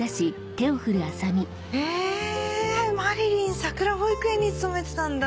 へぇまりりんさくら保育園に勤めてたんだ。